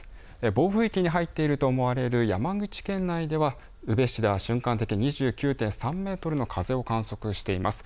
暴風域に入っていると思われる山口県内では宇部市では瞬間２９．３メートルの風を観測しています。